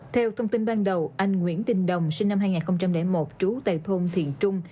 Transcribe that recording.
theo thông tin ban đầu anh nguyễn tình đồng sinh năm hai nghìn một trú tại thôn thiện trung